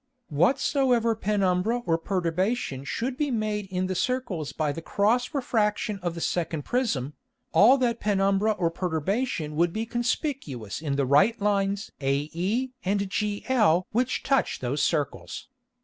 Whatsoever Penumbra or Perturbation should be made in the Circles by the cross Refraction of the second Prism, all that Penumbra or Perturbation would be conspicuous in the right Lines ae and gl which touch those Circles.